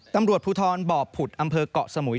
ตำรวจพุทธรบอบพุธอำเภอกเกาะสมุย